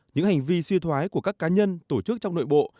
những hành vi suy thoái của các cá nhân tổ chức trong nội bộ